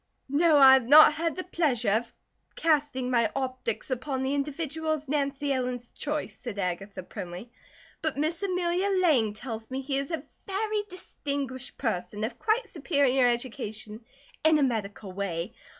"No, I have not had the pleasure of casting my optics upon the individual of Nancy Ellen's choice," said Agatha primly, "but Miss Amelia Lang tells me he is a very distinguished person, of quite superior education in a medical way.